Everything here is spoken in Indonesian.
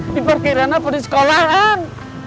di parkiran apa di sekolahan